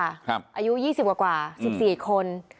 อายุ๒๐กว่าจักห์๑๔คน